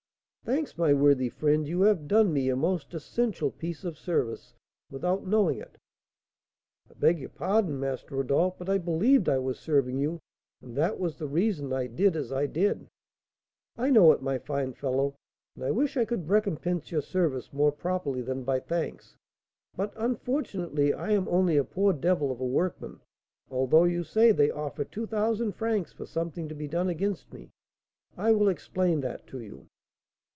"Thanks, my worthy friend, you have done me a most essential piece of service, without knowing it." "I beg your pardon, Master Rodolph, but I believed I was serving you, and that was the reason I did as I did." "I know it, my fine fellow, and I wish I could recompense your service more properly than by thanks; but, unfortunately, I am only a poor devil of a workman, although you say they offer two thousand francs for something to be done against me. I will explain that to you."